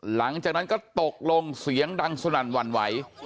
หลังจากนั้นก็ตกลงเสียงดังสนั่นหวั่นไหว